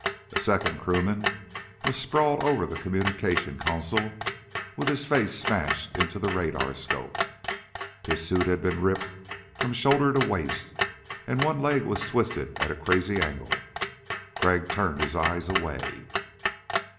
A second crewman was sprawled over the communication console with his face smashed into the radarscope. His suit had been ripped from shoulder to waist and one leg was twisted at a crazy angle. Crag turned his eyes away.